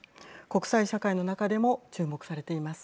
国際社会の中でも注目されています。